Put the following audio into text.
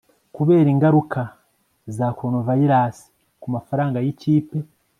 kubera ingaruka za coronavirus kumafaranga yikipe